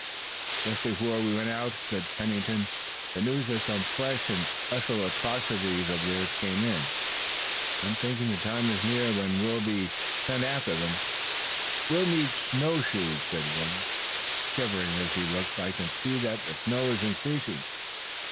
"Just before we went out," sad Pennington, "the news of some fresh and special atrocity of theirs came in. I'm thinking the time is near when we'll be sent after them." "We'll need snow shoes," said Warner, shivering as he looked. "I can see that the snow is increasing.